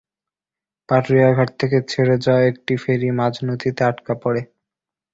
পাটুরিয়া ঘাট থেকে ছেড়ে যাওয়া একটি ফেরি মাঝ নদীতে আটকা পড়ে।